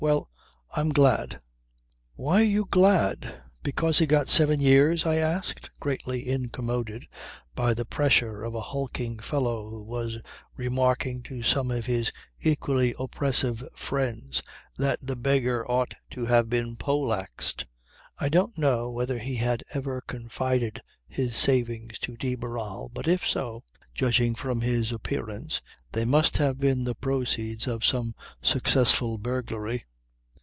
Well, I am glad." "Why are you glad? Because he's got seven years?" I asked, greatly incommoded by the pressure of a hulking fellow who was remarking to some of his equally oppressive friends that the "beggar ought to have been poleaxed." I don't know whether he had ever confided his savings to de Barral but if so, judging from his appearance, they must have been the proceeds of some successful burglary.